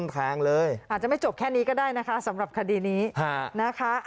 เขาจะเตี๋ยวผมด้วย